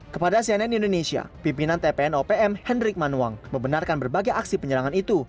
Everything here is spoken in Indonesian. kepada cnn indonesia pimpinan tpn opm hendrik manuang membenarkan berbagai aksi penyerangan itu